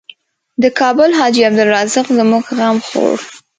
د کابل حاجي عبدالرزاق زموږ غم خوړ.